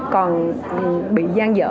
còn bị gian dở